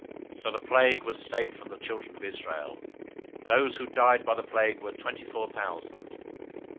So the plague was stayed from the children of Israel. 025:009 Those who died by the plague were twenty four thousand.